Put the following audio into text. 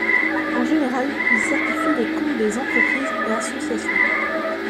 En général, ils certifient les comptes des entreprises et associations.